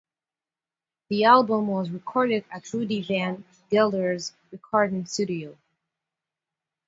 The album was recorded at Rudy Van Gelder's recording studio.